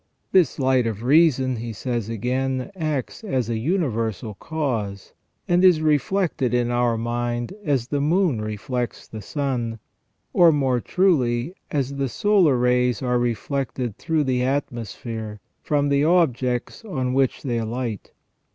"t This light of reason, he says again, acts as a universal cause, and is reflected in our mind as the moon reflects the sun, or, more truly, as the solar rays are reflected through the atmosphere from the objects on which they alight.